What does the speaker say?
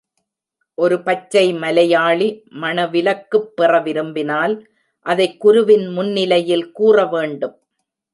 ஒரு பச்சை மலையாளி மணவிலக்குப் பெறவிரும்பினால் அதைக் குருவின் முன்னிலையில் கூற வேண்டும்.